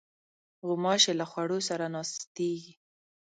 غوماشې له خوړو سره ناستېږي.